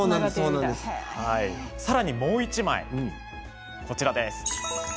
さらにもう１枚こちらです。